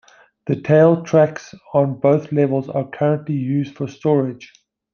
The tail tracks on both levels are currently used for storage.